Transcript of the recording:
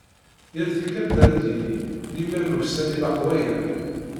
Yal tikkelt ara d-yini: "Lemmer nuksan ilaq waya".